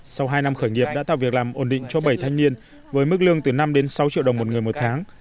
sau hai năm khởi nghiệp đã tạo việc làm ổn định cho bảy thanh niên với mức lương từ năm đến sáu triệu đồng một người một tháng